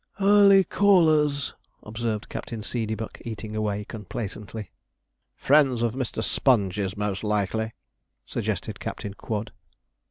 'Early callers,' observed Captain Seedeybuck, eating away complacently. 'Friends of Mr. Sponge's, most likely,' suggested Captain Quod.